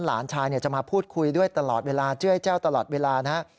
หลานชายจะมาพูดคุยด้วยตลอดเวลาเจื้อยแจ้วตลอดเวลานะฮะ